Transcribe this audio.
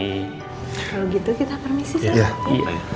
kalau gitu kita permisi